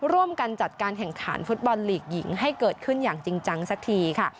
ร่วมกันจัดการแข่งขันฟุตบอลลีกหญิงให้เกิดขึ้นอย่างจริงจังสักทีค่ะ